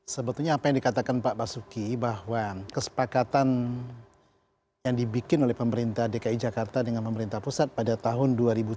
sebetulnya apa yang dikatakan pak basuki bahwa kesepakatan yang dibikin oleh pemerintah dki jakarta dengan pemerintah pusat pada tahun dua ribu tujuh belas